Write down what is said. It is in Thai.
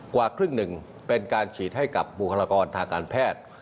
กว่าครึ่งหนึ่งเป็นการฉีดให้กับบุคลากรทางการแพทย์